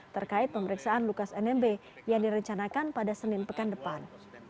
terkait pemeriksaan lukas nmb yang direncanakan pada senin pekan depan